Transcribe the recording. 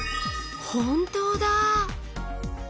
本当だぁ！